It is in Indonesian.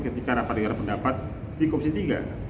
ketika rapat dengar pendapat di komisi tiga